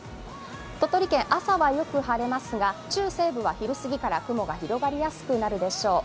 鳥取県、朝はよく晴れますが中西部は雲が広がりやすくなるでしょう。